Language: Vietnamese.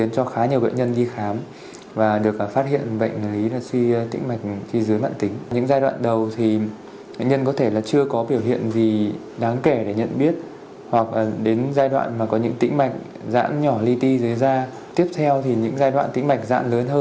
sau đó được tầm soát rộng hơn phát hiện ra bệnh lý suy dãn tĩnh mạch